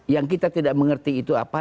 yang kita tidak mengerti itu apa